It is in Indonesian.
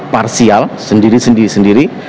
parsial sendiri sendiri sendiri